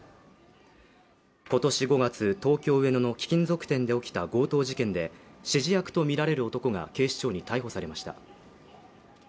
今年５月東京・上野の貴金属店で起きた強盗事件で指示役とみられる男が警視庁に逮捕されました。